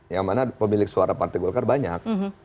yang mana pemilik suara partai golkar banyak